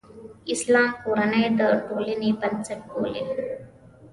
اسلام کورنۍ د ټولنې بنسټ بولي.